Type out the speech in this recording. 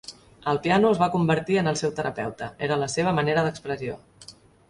El piano es va convertir en el seu terapeuta, era la seva manera d'expressió.